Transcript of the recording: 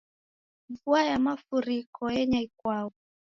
Vua ya mafuriko yenya ikwau.